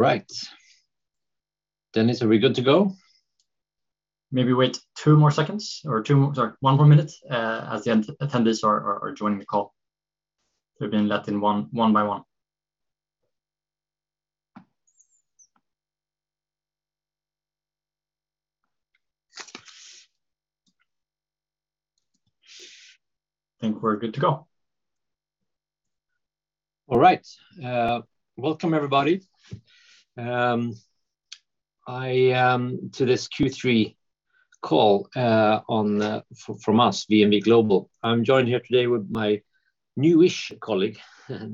Right. Dennis, are we good to go? Maybe wait two more seconds or two more. Sorry, one more minute, as the attendees are joining the call. They're being let in one by one. I think we're good to go. All right. Welcome everybody to this Q3 call from us, VNV Global. I'm joined here today with my new-ish colleague,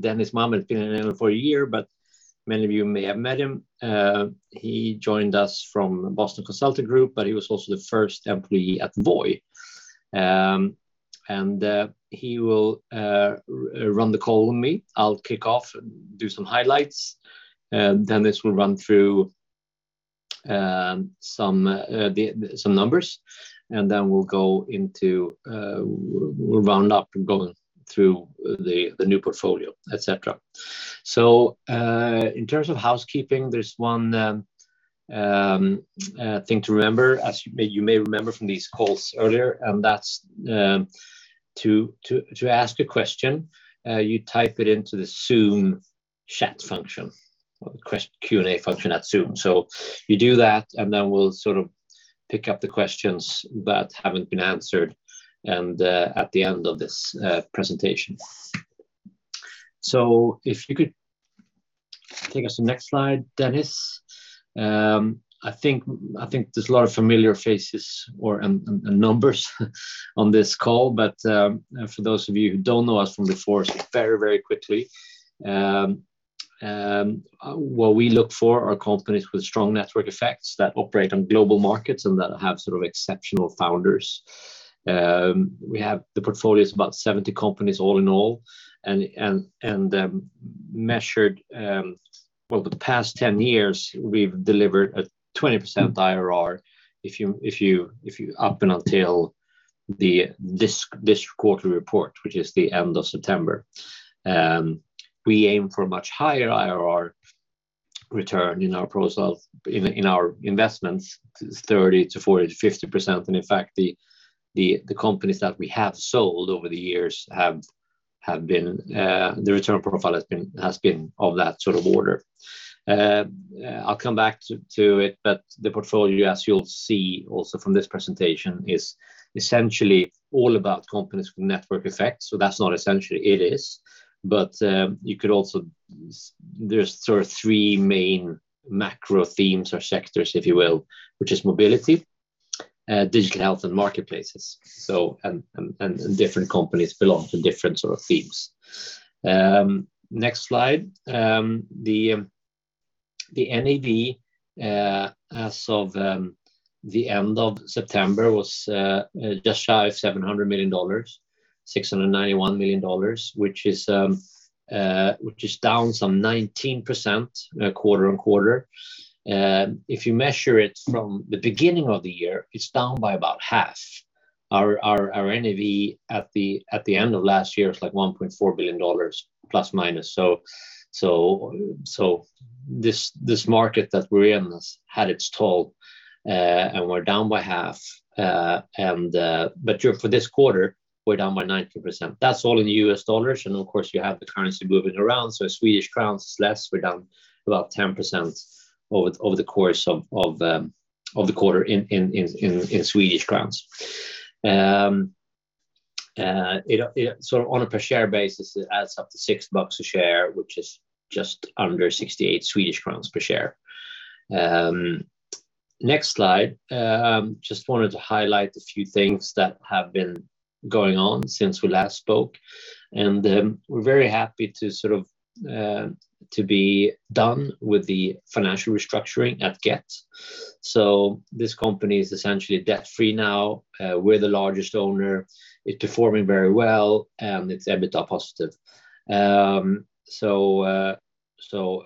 Dennis Mohammad. Been in for a year, but many of you may have met him. He joined us from Boston Consulting Group, but he was also the first employee at Voi. He will run the call with me. I'll kick off and do some highlights, and then this will run through some numbers. We'll go into, we'll round up going through the new portfolio, et cetera. In terms of housekeeping, there's one thing to remember, as you may remember from these calls earlier, and that's to ask a question. You type it into the Zoom chat function or Q&A function at Zoom. You do that, and then we'll sort of pick up the questions that haven't been answered and at the end of this presentation. If you could take us to the next slide, Dennis. I think there's a lot of familiar faces and numbers on this call. For those of you who don't know us from before, so very quickly, what we look for are companies with strong network effects that operate on global markets and that have sort of exceptional founders. We have the portfolio is about 70 companies all in all. Measured over the past 10 years, we've delivered a 20% IRR up until this quarterly report, which is the end of September. We aim for a much higher IRR return in our investments, 30%-50%. In fact, the companies that we have sold over the years have been, the return profile has been of that sort of order. I'll come back to it, but the portfolio, as you'll see also from this presentation, is essentially all about companies with network effects. That's not essentially, it is. But you could also. There's sort of three main macro themes or sectors, if you will, which is mobility, digital health, and marketplaces. Different companies belong to different sort of themes. Next slide. The NAV as of the end of September was just shy of $700 million, $691 million, which is down some 19% quarter-on-quarter. If you measure it from the beginning of the year, it's down by about half. Our NAV at the end of last year was like $1.4 billion, plus minus. This market that we're in has had its toll, and we're down by half. For this quarter, we're down by 19%. That's all in U.S. dollars, and of course, you have the currency moving around. Swedish kronor less, we're down about 10% over the course of the quarter in Swedish krona. It sort of on a per share basis, it adds up to $6 a share, which is just under 68 Swedish crowns per share. Next slide. Just wanted to highlight a few things that have been going on since we last spoke. We're very happy to sort of be done with the financial restructuring at Gett. This company is essentially debt-free now. We're the largest owner. It's performing very well, and it's EBITDA positive. So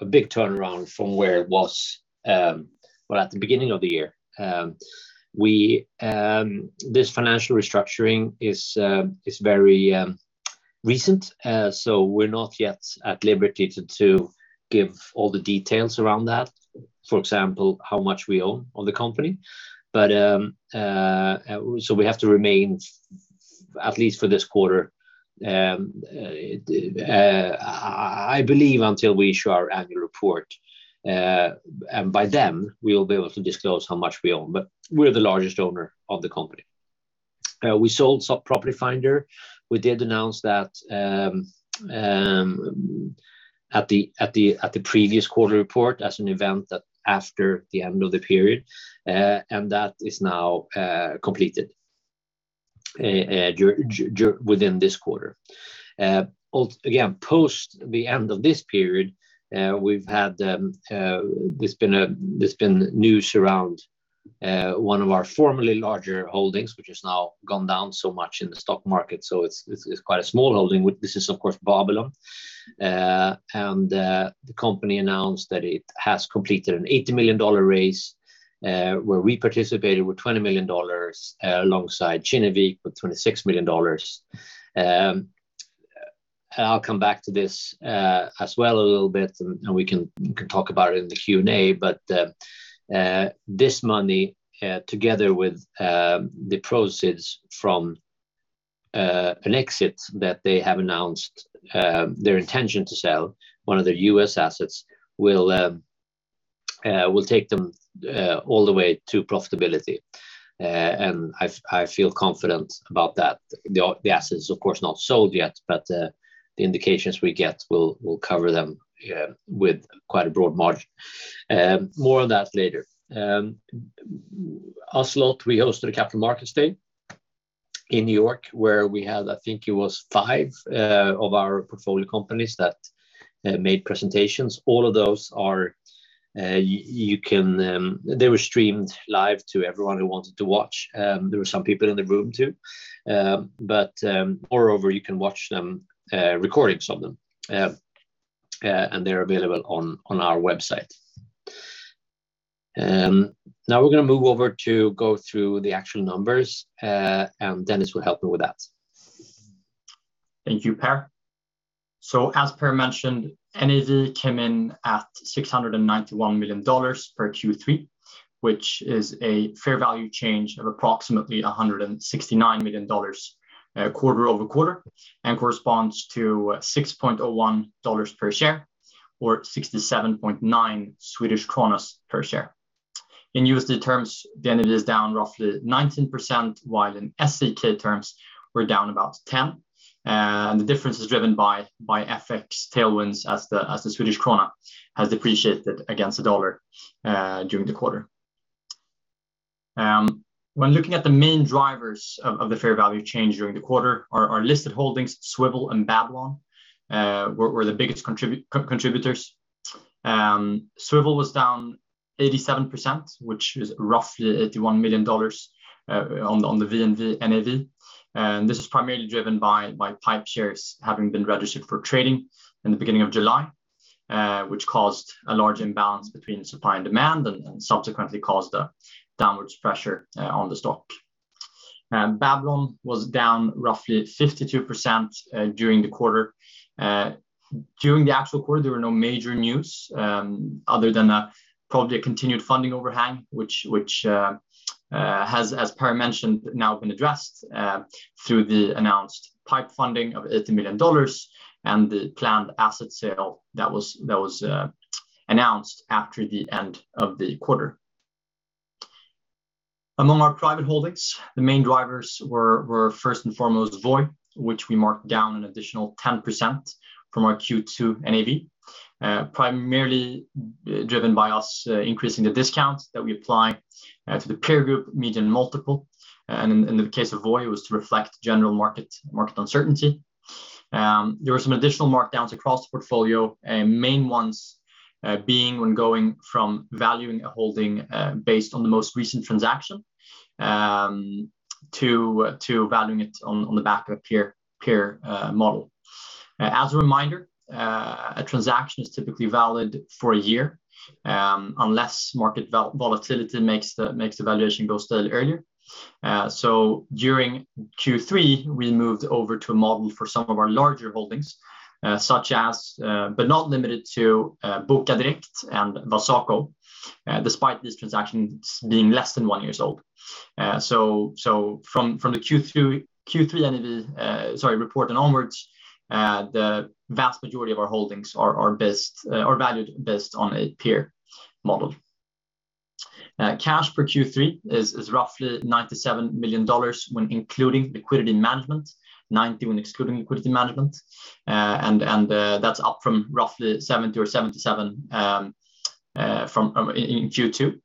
a big turnaround from where it was, well, at the beginning of the year. This financial restructuring is very recent, so we're not yet at liberty to give all the details around that. For example, how much we own of the company. We have to remain at least for this quarter, I believe, until we issue our annual report. By then, we will be able to disclose how much we own, but we're the largest owner of the company. We sold some Property Finder. We did announce that at the previous quarter report as an event that after the end of the period, and that is now within this quarter. Again, post the end of this period, there's been news around one of our formerly larger holdings, which has now gone down so much in the stock market. It's quite a small holding. This is, of course, Babylon. The company announced that it has completed an $80 million raise, where we participated with $20 million, alongside Kinnevik with $26 million. I'll come back to this as well a little bit, and we can talk about it in the Q&A. This money, together with the proceeds from an exit that they have announced their intention to sell one of their U.S. assets, will take them all the way to profitability. I feel confident about that. The asset is of course not sold yet, but the indications we get will cover them with quite a broad margin. More on that later. Our slot, we hosted a capital markets day in New York where we had, I think it was 5, of our portfolio companies that made presentations. They were streamed live to everyone who wanted to watch. There were some people in the room too. Moreover, you can watch the recordings of them. They're available on our website. Now we're gonna move over to go through the actual numbers, and Dennis will help me with that. Thank you, Per. As Per mentioned, NAV came in at $691 million for Q3, which is a fair value change of approximately $169 million quarter-over-quarter, and corresponds to $6.01 per share or 67.9 per share. In USD terms, the NAV is down roughly 19%, while in SEK terms we're down about 10%. The difference is driven by FX tailwinds as the Swedish krona has depreciated against the dollar during the quarter. When looking at the main drivers of the fair value change during the quarter, our listed holdings Swvl and Babylon were the biggest contributors. Swvl was down 87%, which is roughly $81 million on the VNV NAV. This is primarily driven by PIPE shares having been registered for trading in the beginning of July, which caused a large imbalance between supply and demand and subsequently caused a downward pressure on the stock. Babylon was down roughly 52% during the quarter. During the actual quarter there were no major news other than probably a continued funding overhang, which has, as Per mentioned, now been addressed through the announced PIPE funding of $80 million and the planned asset sale that was announced after the end of the quarter. Among our private holdings, the main drivers were first and foremost Voi, which we marked down an additional 10% from our Q2 NAV, primarily driven by us increasing the discount that we apply to the peer group median multiple. In the case of Voi, it was to reflect general market uncertainty. There were some additional markdowns across the portfolio, main ones being when going from valuing a holding based on the most recent transaction to valuing it on the back of peer model. As a reminder, a transaction is typically valid for a year, unless market volatility makes the valuation go stale earlier. During Q3, we moved over to a model for some of our larger holdings, such as, but not limited to, Bokadirekt and Wasoko, despite these transactions being less than one year old. From the Q3 NAV report and onwards, the vast majority of our holdings are valued based on a peer model. Cash for Q3 is roughly $97 million when including liquidity management, $90 million when excluding liquidity management. That's up from roughly $70 million or $77 million in Q2.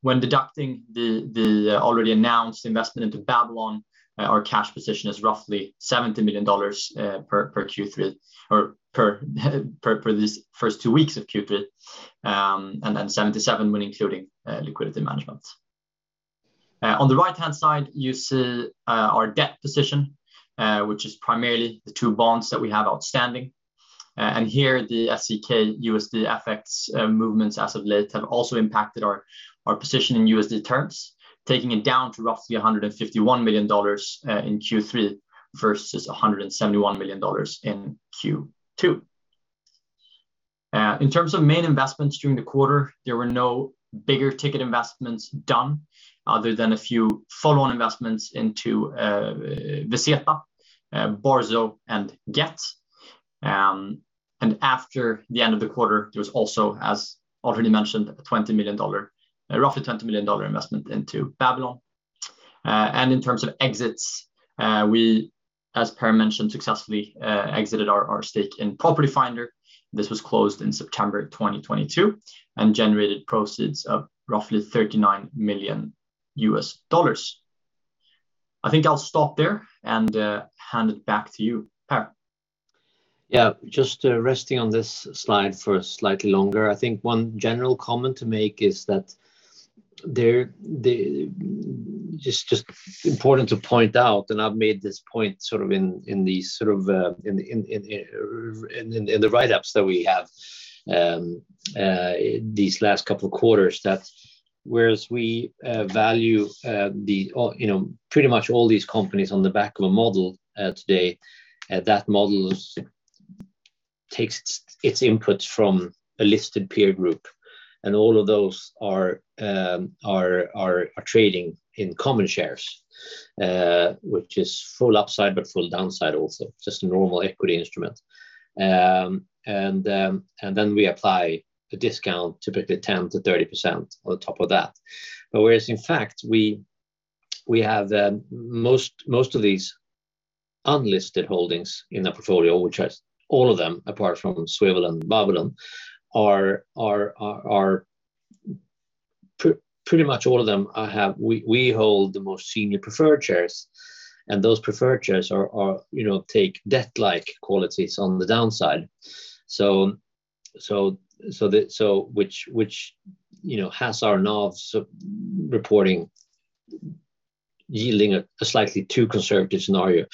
When deducting the already announced investment into Babylon, our cash position is roughly $70 million per Q3 or per these first two weeks of Q3. $77 million when including liquidity management. On the right-hand side, you see our debt position, which is primarily the two bonds that we have outstanding. Here, the SEK-USD FX movements as of late have also impacted our position in USD terms, taking it down to roughly $151 million in Q3 versus $171 million in Q2. In terms of main investments during the quarter, there were no big ticket investments done other than a few follow-on investments into Vezeeta, BlaBlaCar and Gett. After the end of the quarter, there was also, as already mentioned, a roughly $20 million investment into Babylon. In terms of exits, we, as Per mentioned, successfully exited our stake in Property Finder. This was closed in September 2022 and generated proceeds of roughly $39 million. I think I'll stop there and hand it back to you, Per. Yeah. Just resting on this slide for slightly longer. I think one general comment to make is that just important to point out, and I've made this point sort of in these sort of write-ups that we have these last couple of quarters, that whereas we value or you know pretty much all these companies on the back of a model today, that model takes its inputs from a listed peer group. All of those are trading in common shares, which is full upside, but full downside also, just a normal equity instrument. We apply a discount, typically 10%-30% on top of that. Whereas in fact we have most of these unlisted holdings in the portfolio, which is all of them apart from Swvl and Babylon, are pretty much all of them we hold the most senior preferred shares, and those preferred shares are you know take debt-like qualities on the downside, which you know has our NAVs reporting yielding a slightly too conservative scenario.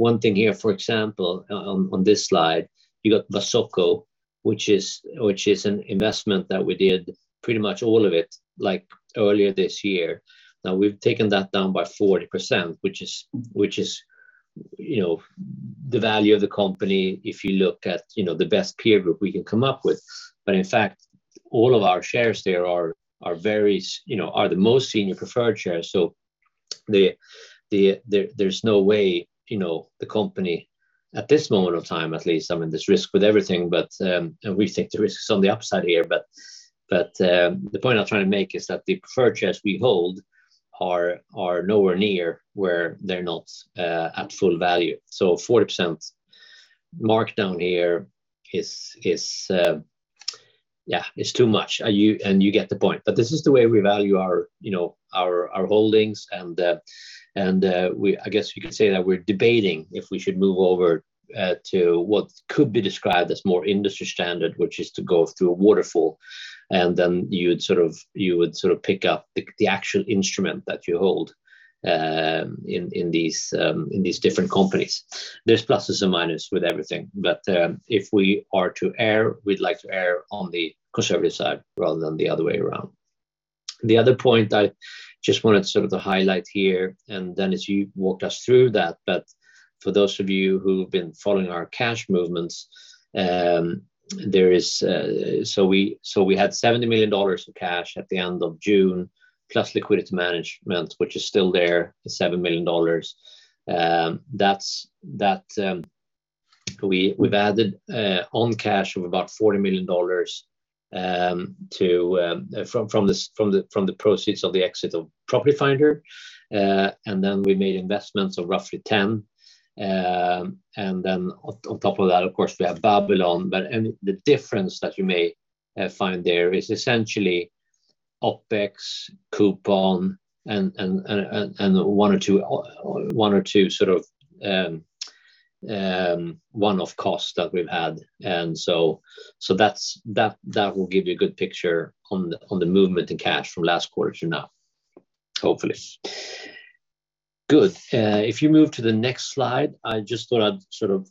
One thing here, for example, on this slide, you got Wasoko, which is an investment that we did pretty much all of it like earlier this year. Now we've taken that down by 40%, which is you know the value of the company if you look at you know the best peer group we can come up with. In fact, all of our shares there are very you know are the most senior preferred shares. There's no way you know the company at this moment of time at least. I mean, there's risk with everything, but we think the risk is on the upside here. The point I'm trying to make is that the preferred shares we hold are nowhere near where they're not at full value. 40% markdown here is yeah is too much. You get the point. This is the way we value our you know our holdings and we I guess you could say that we're debating if we should move over to what could be described as more industry standard, which is to go through a waterfall. You would sort of pick up the actual instrument that you hold in these different companies. There's pluses and minuses with everything. If we are to err, we'd like to err on the conservative side rather than the other way around. The other point I just wanted sort of to highlight here, and Dennis you walked us through that, but for those of you who've been following our cash movements, there is. We had $70 million of cash at the end of June, plus liquidity management, which is still there, the $7 million. We've added on cash of about $40 million from the proceeds of the exit of Property Finder. We made investments of roughly $10. On top of that, of course, we have Babylon. The difference that you may find there is essentially OpEx, coupon, and 1 or 2 sort of one-off costs that we've had. That will give you a good picture on the movement in cash from last quarter to now, hopefully. Good. If you move to the next slide, I just thought I'd sort of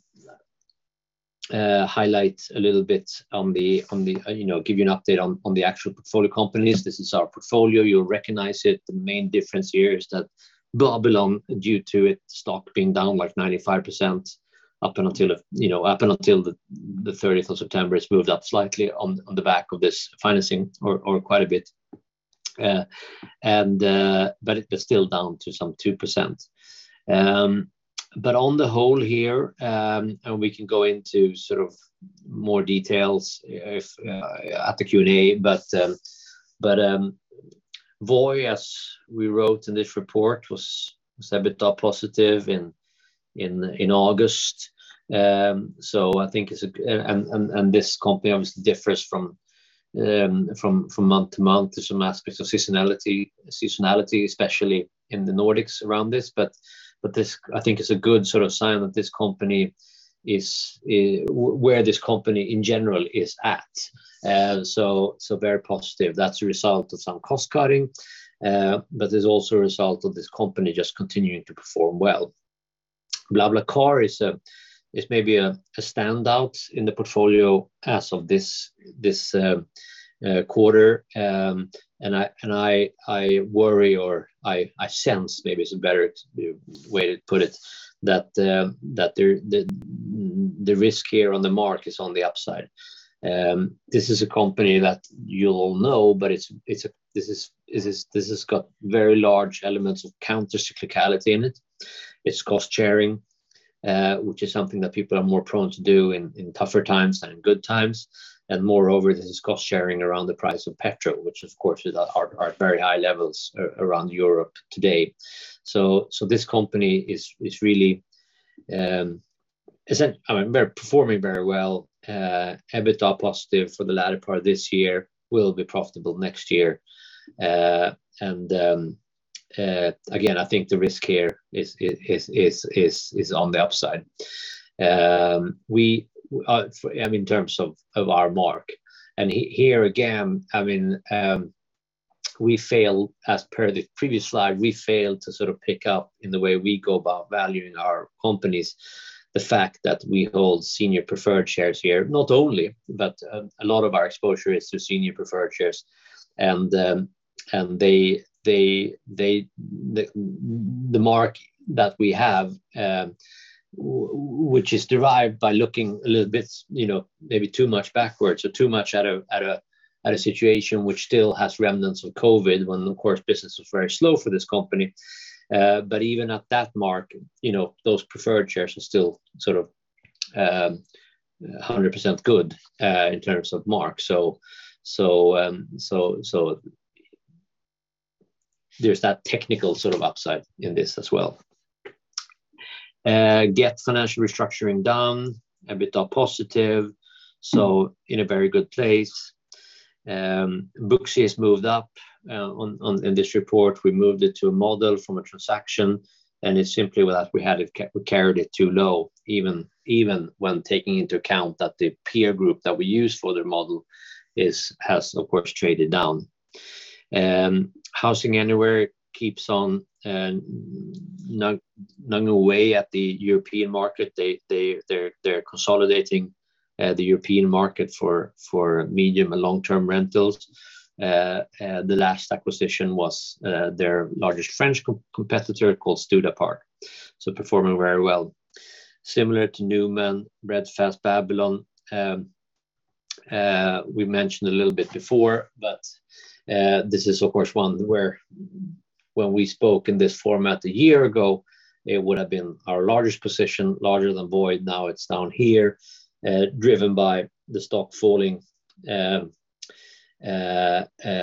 highlight a little bit on the you know, give you an update on the actual portfolio companies. This is our portfolio. You'll recognize it. The main difference here is that Babylon, due to its stock being down like 95% up until the 30th of September. It's moved up slightly on the back of this financing or quite a bit. It is still down to some 2%. On the whole here, we can go into sort of more details if at the Q&A. Voi, as we wrote in this report, was EBITDA positive in August. I think it's, and this company obviously differs from month to month. There's some aspects of seasonality especially in the Nordics around this. I think this is a good sort of sign that this company is where this company in general is at. Very positive. That's a result of some cost cutting, but is also a result of this company just continuing to perform well. BlaBlaCar is maybe a standout in the portfolio as of this quarter. I worry or I sense maybe is a better way to put it that the risk here on the mark is on the upside. This is a company that you'll know, but this has got very large elements of countercyclicality in it. It's cost sharing, which is something that people are more prone to do in tougher times than in good times. Moreover, this is cost sharing around the price of petrol, which of course is at very high levels around Europe today. This company is really performing very well, EBITDA positive for the latter part of this year, will be profitable next year. Again, I think the risk here is on the upside. We, I mean, in terms of our mark. Here again, I mean, we fail, as per the previous slide, to sort of pick up in the way we go about valuing our companies, the fact that we hold senior preferred shares here. Not only, but a lot of our exposure is to senior preferred shares. The mark that we have, which is derived by looking a little bit, you know, maybe too much backwards or too much at a situation which still has remnants of COVID when, of course, business was very slow for this company. Even at that mark, you know, those preferred shares are still sort of 100% good in terms of mark. There's that technical sort of upside in this as well. Get financial restructuring done, EBITDA positive, so in a very good place. Booksy has moved up in this report. We moved it to a model from a transaction, and it's simply that we had it we carried it too low, even when taking into account that the peer group that we use for their model has of course traded down. HousingAnywhere keeps on nibbling away at the European market. They're consolidating the European market for medium and long-term rentals. The last acquisition was their largest French competitor called Studapart. So performing very well. Similar to Numan, Breadfast, Babylon, we mentioned a little bit before, this is of course one where when we spoke in this format a year ago, it would have been our largest position, larger than Voi. Now it's down here, driven by the stock falling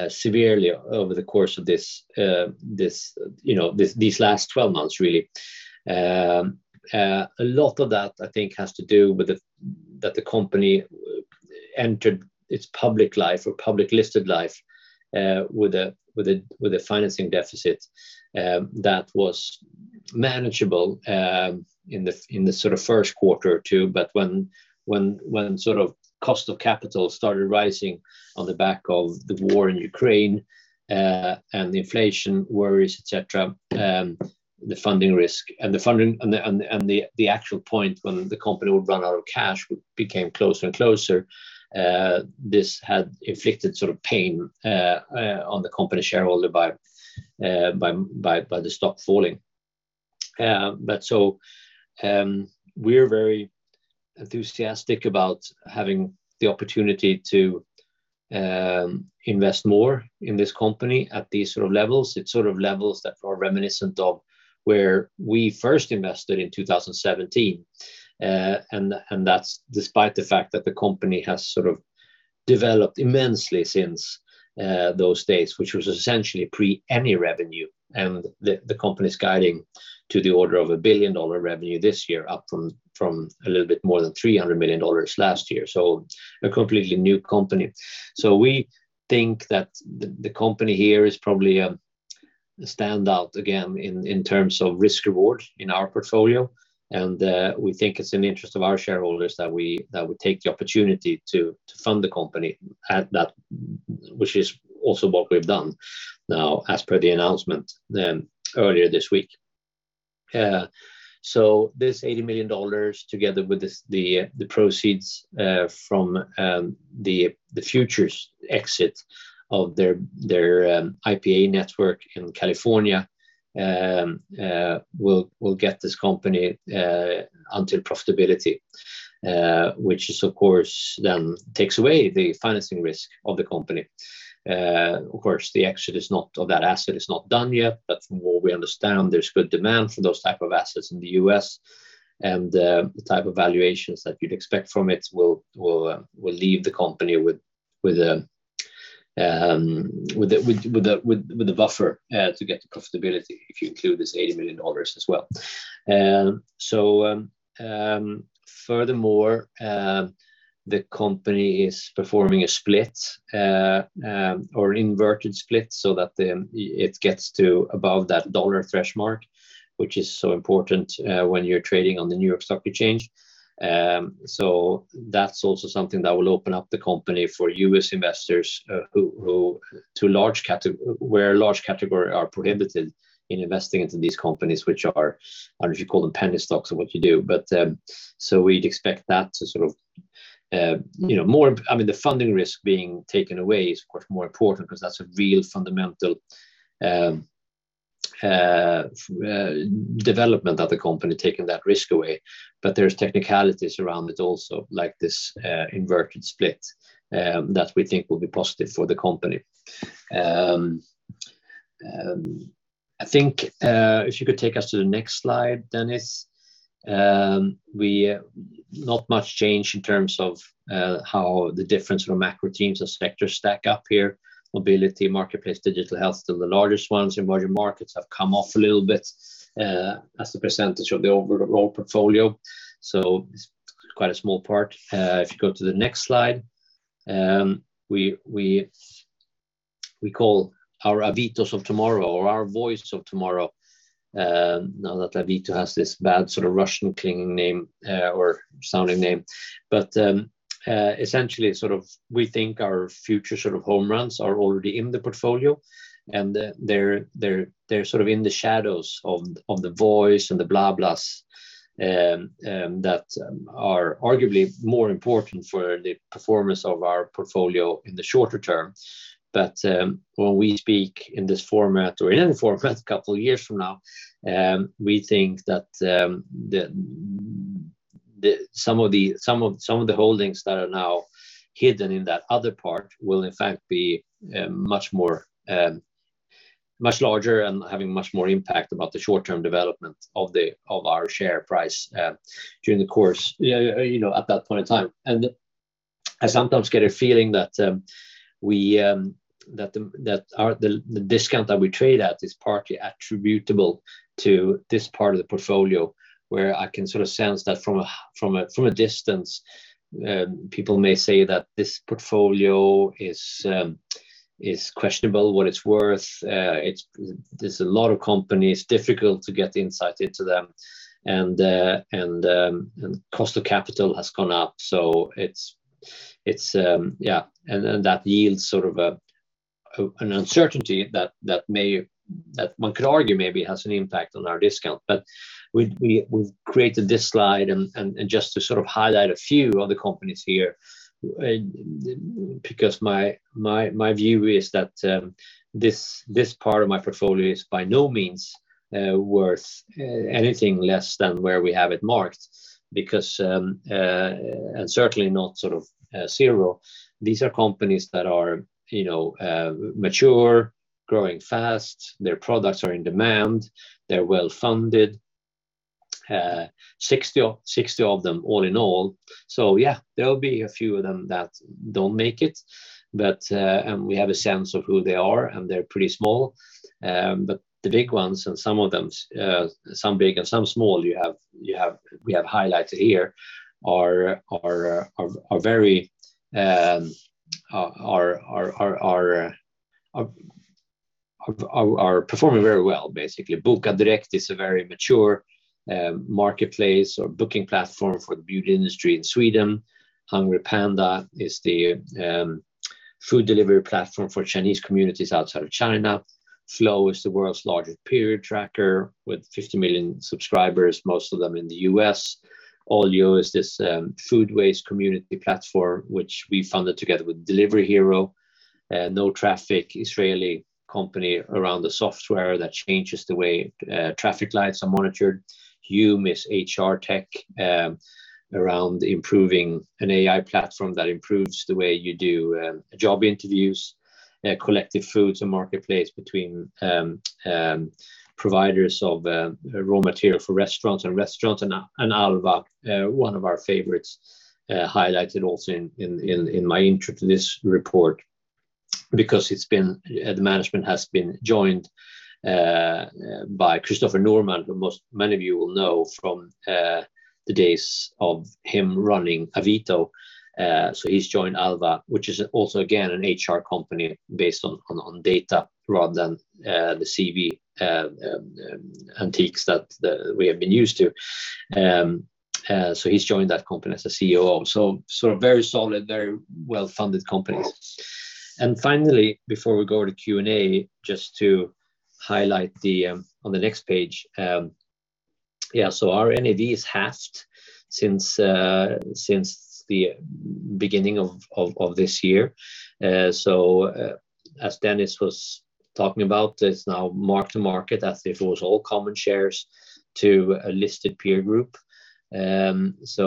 severely over the course of this, you know, these last 12 months, really. A lot of that, I think, has to do with that the company entered its public life or public listed life with a financing deficit that was manageable in the sort of first quarter or two. When sort of cost of capital started rising on the back of the war in Ukraine and the inflation worries, et cetera, the funding risk and the actual point when the company would run out of cash became closer and closer. This had inflicted sort of pain on the company shareholder by the stock falling. We're very enthusiastic about having the opportunity to invest more in this company at these sort of levels. It's sort of levels that are reminiscent of where we first invested in 2017. That's despite the fact that the company has sort of developed immensely since those days, which was essentially pre any revenue. The company's guiding to the order of a billion-dollar revenue this year, up from a little bit more than $300 million last year. A completely new company. We think that the company here is probably a standout again in terms of risk reward in our portfolio. We think it's in the interest of our shareholders that we take the opportunity to fund the company at that, which is also what we've done now as per the announcement earlier this week. This $80 million, together with the proceeds from the future exit of their IPA network in California, will get this company until profitability, which of course takes away the financing risk of the company. Of course, the exit of that asset is not done yet. From what we understand, there's good demand for those type of assets in the U.S. The type of valuations that you'd expect from it will leave the company with a buffer to get to profitability if you include this $80 million as well. Furthermore, the company is performing a split or an inverted split so that it gets to above that dollar threshold mark, which is so important when you're trading on the New York Stock Exchange. That's also something that will open up the company for U.S. investors where large category are prohibited in investing into these companies, which are, I don't know if you call them penny stocks or what you do. We'd expect that to sort of, you know, more. I mean, the funding risk being taken away is of course more important because that's a real fundamental development of the company taking that risk away. There's technicalities around it also, like this reverse stock split that we think will be positive for the company. I think if you could take us to the next slide, Dennis. Not much change in terms of how the difference from macro themes and sectors stack up here. Mobility, marketplace, digital health still the largest ones. Emerging markets have come off a little bit as a percentage of the overall portfolio. It's quite a small part. If you go to the next slide, we call our Avito's of tomorrow or our Voi's of tomorrow. Now that Avito has this bad sort of Russian-sounding name. Essentially sort of we think our future sort of home runs are already in the portfolio, and they're sort of in the shadows of the Voi's and the BlaBlaCars that are arguably more important for the performance of our portfolio in the shorter term. When we speak in this format or in any format a couple of years from now, we think that some of the holdings that are now hidden in that other part will in fact be much more much larger and having much more impact about the short-term development of our share price during the course you know at that point in time. I sometimes get a feeling that the discount that we trade at is partly attributable to this part of the portfolio. Where I can sort of sense that from a distance people may say that this portfolio is questionable what it's worth. There's a lot of companies, difficult to get insight into them and cost of capital has gone up. It's yeah. Then that yields sort of an uncertainty that one could argue maybe has an impact on our discount. We've created this slide and just to sort of highlight a few of the companies here, because my view is that this part of my portfolio is by no means worth anything less than where we have it marked because. Certainly not sort of zero. These are companies that are, you know, mature, growing fast, their products are in demand, they're well-funded, 60 of them all in all. Yeah, there'll be a few of them that don't make it. We have a sense of who they are, and they're pretty small. The big ones and some of them, some big and some small, we have highlighted here are performing very well, basically. Bokadirekt is a very mature marketplace or booking platform for the beauty industry in Sweden. HungryPanda is the food delivery platform for Chinese communities outside of China. Flo is the world's largest period tracker with 50 million subscribers, most of them in the U.S. OLIO is this food waste community platform which we funded together with Delivery Hero. NoTraffic, Israeli company around the software that changes the way traffic lights are monitored. Humanly is HR tech around improving an AI platform that improves the way you do job interviews. Rekki, a marketplace between providers of raw material for restaurants and restaurants. Alva, one of our favorites, highlighted also in my intro to this report because the management has been joined by Christopher Norman, who many of you will know from the days of him running Avito. He's joined Alva, which is also again an HR company based on data rather than the CV antiques that we have been used to. He's joined that company as a CEO. Sort of very solid, very well-funded companies. Finally, before we go to Q&A, just to highlight on the next page, yeah. Our NAV is halved since the beginning of this year. As Dennis was talking about, it's now mark to market as if it was all common shares to a listed peer group. It's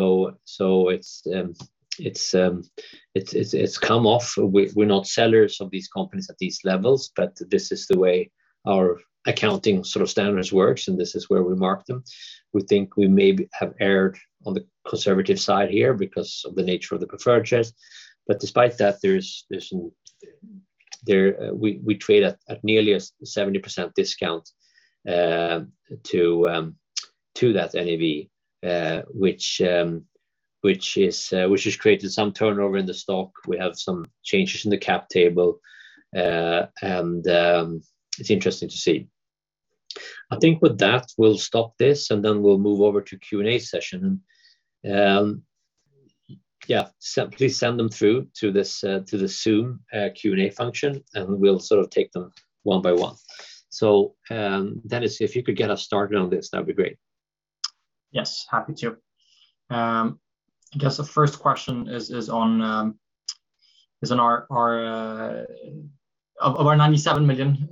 come off. We're not sellers of these companies at these levels, but this is the way our accounting sort of standards works, and this is where we mark them. We think we maybe have erred on the conservative side here because of the nature of the preferred shares. Despite that, we trade at nearly a 70% discount to that NAV, which has created some turnover in the stock. We have some changes in the cap table, and it's interesting to see. I think with that, we'll stop this, and then we'll move over to Q&A session. Yeah. Please send them through to the Zoom Q&A function, and we'll sort of take them one by one. Dennis, if you could get us started on this, that'd be great. Yes. Happy to. I guess the first question is on our $97 million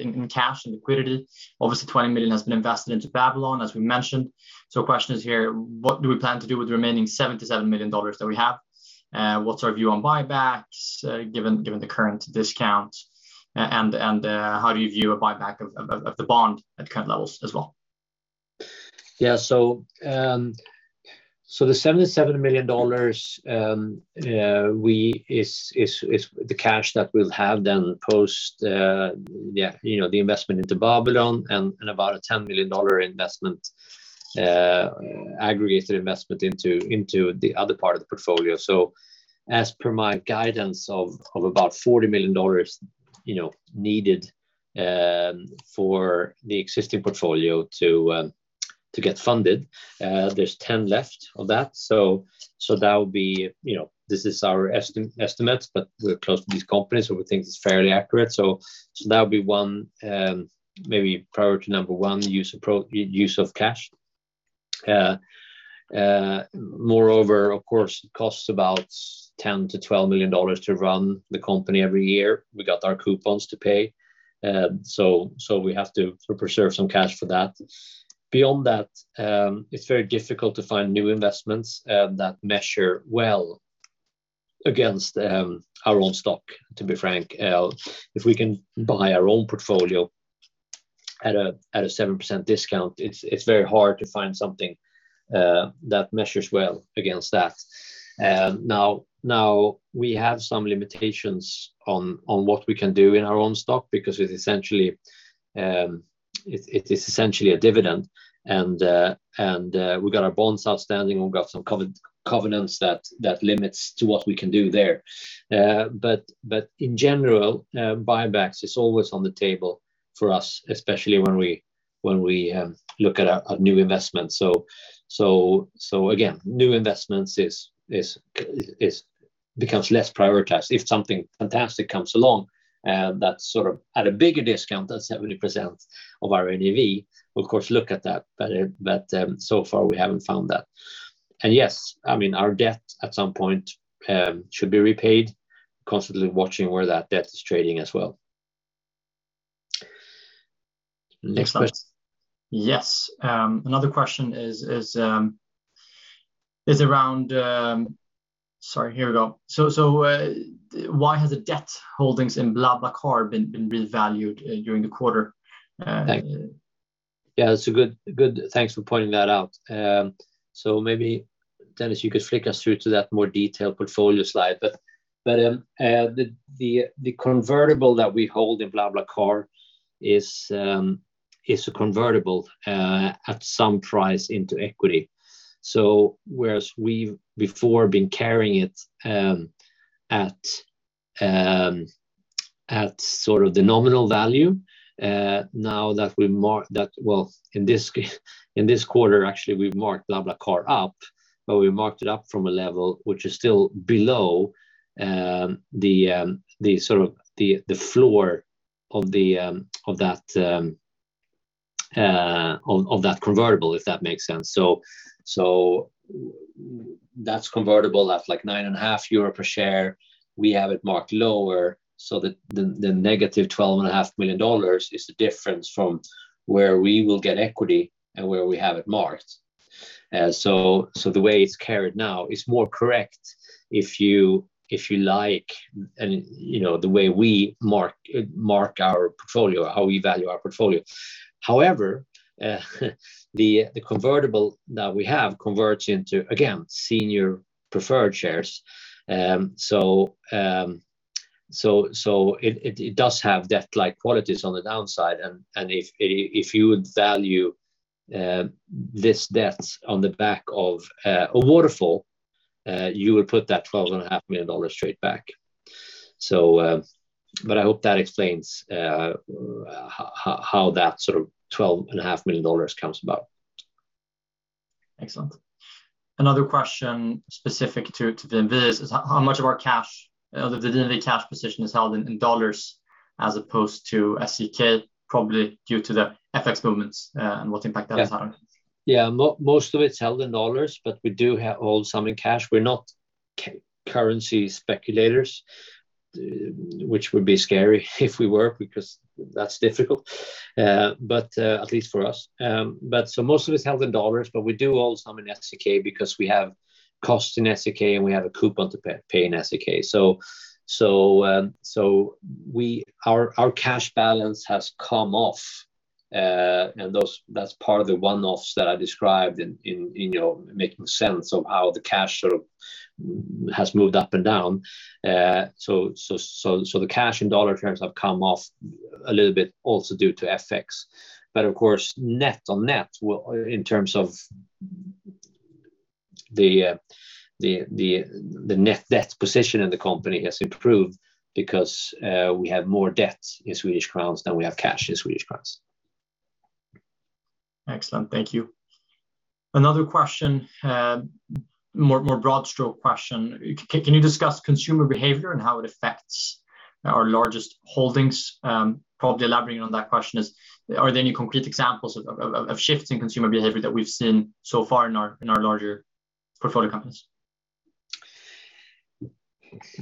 in cash and liquidity. Obviously $20 million has been invested into Babylon, as we mentioned. Question is here, what do we plan to do with the remaining $77 million that we have? What's our view on buybacks, given the current discount? And how do you view a buyback of the bond at current levels as well? The $77 million is the cash that we'll have then post yeah you know the investment into Babylon and about a $10 million aggregated investment into the other part of the portfolio. As per my guidance of about $40 million you know needed for the existing portfolio to get funded there's 10 left of that. That would be you know this is our estimates but we're close to these companies so we think it's fairly accurate. That would be one maybe priority number one use of cash. Moreover of course, it costs about $10-$12 million to run the company every year. We got our coupons to pay. We have to preserve some cash for that. Beyond that, it's very difficult to find new investments that measure well against our own stock, to be frank. If we can buy our own portfolio at a 7% discount, it's very hard to find something that measures well against that. Now we have some limitations on what we can do in our own stock because it's essentially a dividend. We've got our bonds outstanding, and we've got some covenants that limits to what we can do there. In general, buybacks is always on the table for us, especially when we look at a new investment. Again, new investments becomes less prioritized. If something fantastic comes along, that's sort of at a bigger discount than 70% of our NAV, we'll of course look at that. So far we haven't found that. Yes, I mean, our debt at some point should be repaid. Constantly watching where that debt is trading as well. Next question. Yes. Sorry, here we go. Why has the debt holdings in BlaBlaCar been revalued during the quarter? Yeah, it's good. Thanks for pointing that out. Maybe, Dennis, you could flick us through to that more detailed portfolio slide. The convertible that we hold in BlaBlaCar is a convertible at some price into equity. Whereas we've before been carrying it at sort of the nominal value, well, in this quarter, actually, we've marked BlaBlaCar up, but we marked it up from a level which is still below the sort of floor of that convertible, if that makes sense. That's convertible at, like, 9.5 euro per share. We have it marked lower, so the negative $12.5 million is the difference from where we will get equity and where we have it marked. The way it's carried now is more correct if you like, and you know, the way we mark our portfolio, how we value our portfolio. However, the convertible that we have converts into, again, senior preferred shares. It does have debt-like qualities on the downside. If you would value this debt on the back of a waterfall, you would put that $12.5 million straight back. But I hope that explains how that sort of $12.5 million comes about. Excellent. Another question specific to VNV is how much of our cash, of the VNV cash position is held in dollars as opposed to SEK, probably due to the FX movements, and what impact that is having? Most of it's held in dollars, but we do hold some in cash. We're not currency speculators, which would be scary if we were, because that's difficult, at least for us. Most of it's held in dollars, but we do hold some in SEK because we have costs in SEK, and we have a coupon to pay in SEK. Our cash balance has come off, and that's part of the one-offs that I described in you know, making sense of how the cash sort of has moved up and down. The cash in dollar terms have come off a little bit also due to FX. Of course, in terms of the net debt position in the company has improved because we have more debts in Swedish crowns than we have cash in Swedish krona. Excellent. Thank you. Another question, more broad stroke question. Can you discuss consumer behavior and how it affects our largest holdings? Probably elaborating on that question is, are there any concrete examples of shifting consumer behavior that we've seen so far in our larger portfolio companies?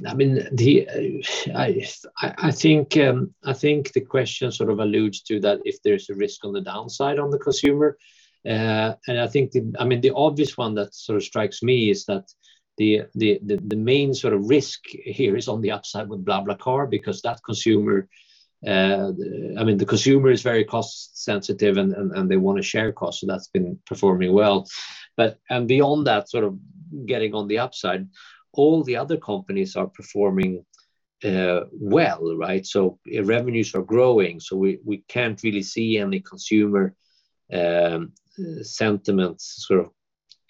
I mean, I think the question sort of alludes to that if there's a risk on the downside on the consumer. I think the obvious one that sort of strikes me is that the main sort of risk here is on the upside with BlaBlaCar because that consumer is very cost sensitive, and they want to share costs, so that's been performing well. Beyond that, sort of getting on the upside, all the other companies are performing well, right? Revenues are growing, so we can't really see any consumer sentiments sort of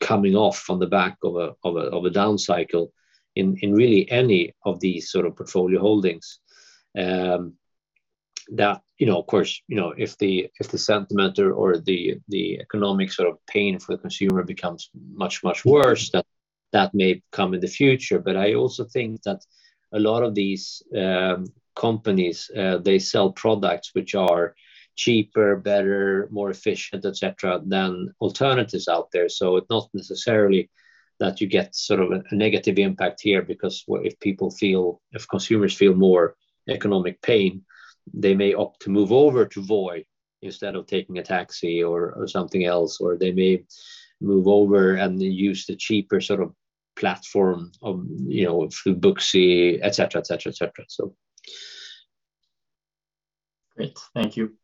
coming off from the back of a down cycle in really any of these sort of portfolio holdings. That, you know, of course, you know, if the sentiment or the economic sort of pain for the consumer becomes much worse, that may come in the future. I also think that a lot of these companies, they sell products which are cheaper, better, more efficient, et cetera, than alternatives out there. It's not necessarily that you get sort of a negative impact here, because if consumers feel more economic pain, they may opt to move over to Voi instead of taking a taxi or something else. They may move over and use the cheaper sort of platform of, you know, through Booksy, et cetera. Great. Thank you.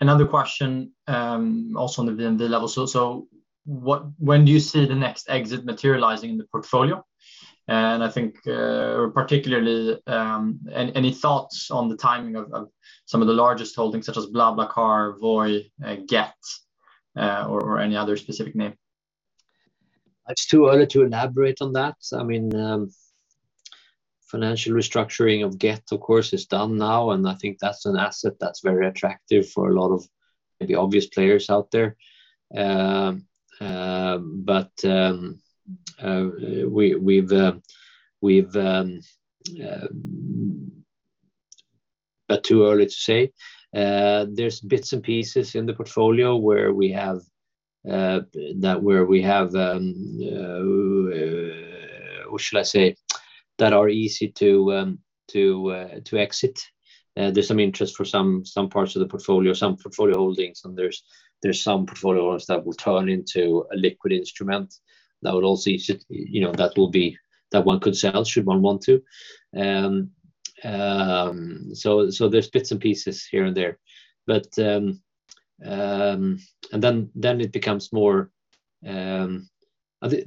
Another question, also on the VNV level. What, when do you see the next exit materializing in the portfolio? I think, particularly, any thoughts on the timing of some of the largest holdings such as BlaBlaCar, Voi, Gett, or any other specific name? It's too early to elaborate on that. I mean, financial restructuring of Gett, of course, is done now, and I think that's an asset that's very attractive for a lot of the obvious players out there. Too early to say. There's bits and pieces in the portfolio where we have that are easy to exit. There's some interest for some parts of the portfolio, some portfolio holdings, and there's some portfolios that will turn into a liquid instrument that would also, you know, that one could sell should one want to. There's bits and pieces here and there. It becomes more.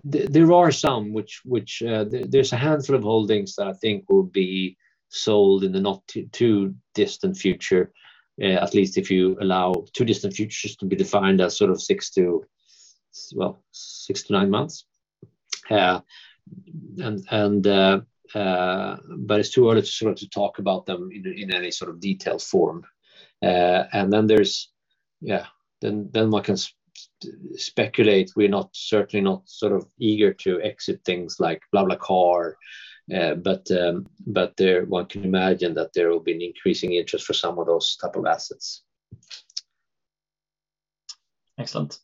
There are some holdings that I think will be sold in the not too distant future, at least if you allow too distant future to be defined as sort of 6-9 months. But it's too early to sort of talk about them in any sort of detailed form. Then one can speculate. We're not certainly not sort of eager to exit things like BlaBlaCar. One can imagine that there will be an increasing interest for some of those type of assets. Excellent.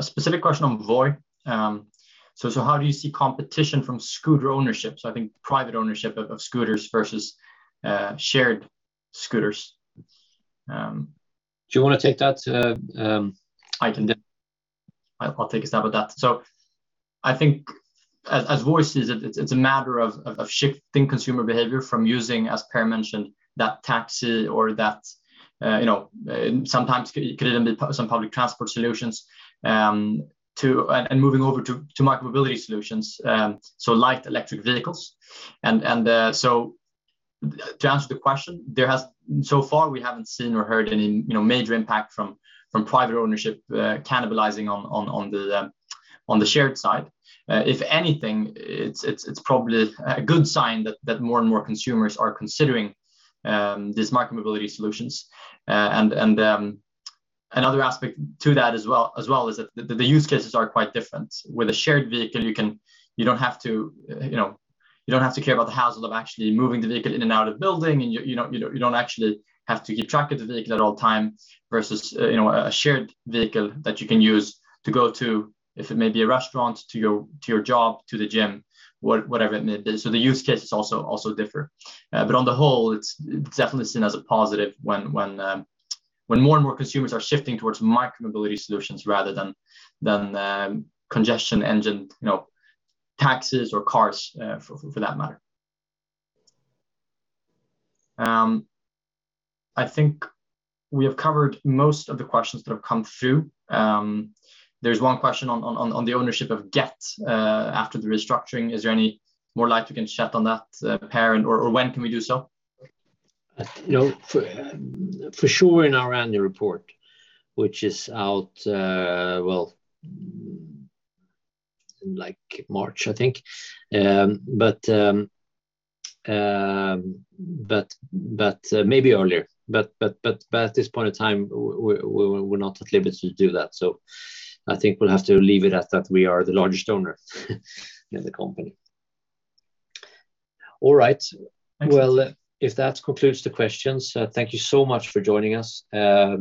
Specific question on Voi. How do you see competition from scooter ownership? I think private ownership of scooters versus shared scooters. Do you wanna take that, Eitan? I'll take a stab at that. I think as Voi is, it's a matter of shifting consumer behavior from using, as Per mentioned, that taxi or that, you know, sometimes it could even be some public transport solutions, to moving over to micromobility solutions, so light electric vehicles. To answer the question, so far, we haven't seen or heard any, you know, major impact from private ownership cannibalizing on the shared side. If anything, it's probably a good sign that more and more consumers are considering these micromobility solutions. Another aspect to that as well is that the use cases are quite different. With a shared vehicle, you don't have to, you know, you don't have to care about the hassle of actually moving the vehicle in and out of building. You don't actually have to keep track of the vehicle at all time versus, you know, a shared vehicle that you can use to go to, it may be a restaurant, to your job, to the gym, whatever it may be. The use cases also differ. But on the whole, it's definitely seen as a positive when more and more consumers are shifting towards micromobility solutions rather than combustion engine, you know, taxis or cars, for that matter. I think we have covered most of the questions that have come through. There's one question on the ownership of Gett after the restructuring. Is there any more light you can shed on that, Per? Or when can we do so? You know, for sure in our annual report, which is out, well, in like March, I think. Maybe earlier. At this point in time, we're not at liberty to do that. I think we'll have to leave it at that. We are the largest owner in the company. All right. Thanks. Well, if that concludes the questions, thank you so much for joining us. I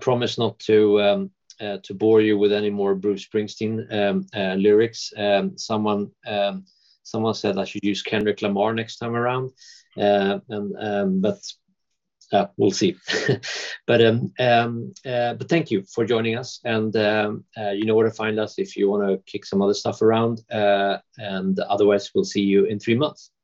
promise not to bore you with any more Bruce Springsteen lyrics. Someone said I should use Kendrick Lamar next time around. We'll see. Thank you for joining us. You know where to find us if you wanna kick some other stuff around. Otherwise, we'll see you in three months. Thanks.